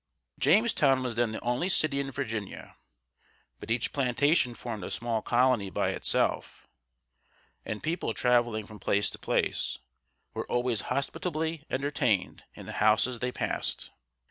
Jamestown was then the only city in Virginia; but each plantation formed a small colony by itself, and people traveling from place to place were always hospitably entertained in the houses they passed.